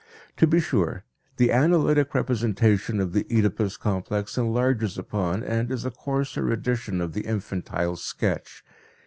To be sure, the analytic representation of the Oedipus complex enlarges upon and is a coarser edition of the infantile sketch.